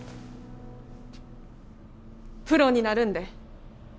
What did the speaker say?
プロになるんで。